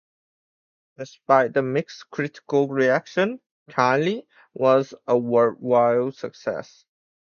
Despite the mixed critical reaction, "Kylie" was a worldwide success.